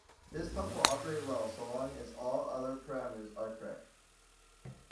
This pump will operate well so long as all other parameters are correct.